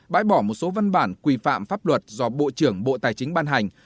bãi bỏ một số văn bản quy phạm pháp luật do bộ trưởng bộ tài chính ban hành